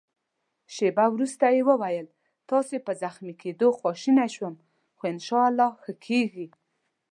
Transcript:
شېبه وروسته يې وویل: ستاسي په زخمي کېدو خواشینی شوم، خو انشاالله ښه کېږې.